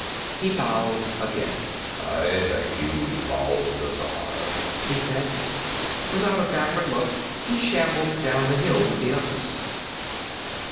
He bowed again. "I thank you, Bathazar," he said. Without a backward look he shambled down the hill with the others.